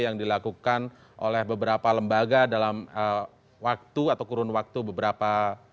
yang dilakukan oleh beberapa lembaga dalam waktu atau kurun waktu beberapa